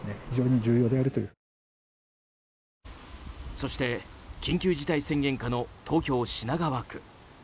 そして、緊急事態宣言下の東京・品川区。